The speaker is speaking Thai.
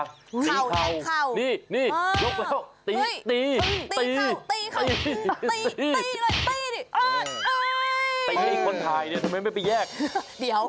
ตีเข่านี่นี่ยกแล้วตีตีตีตีเข่าตีเข่า